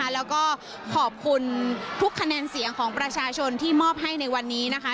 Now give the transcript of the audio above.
แล้วก็ขอบคุณทุกคะแนนเสียงของประชาชนที่มอบให้ในวันนี้นะคะ